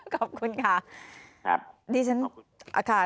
ขอบคุณค่ะ